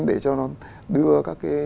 để cho nó đưa các cái